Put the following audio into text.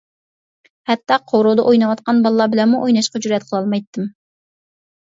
ھەتتا قورۇدا ئويناۋاتقان بالىلار بىلەنمۇ ئويناشقا جۈرئەت قىلالمايتتىم.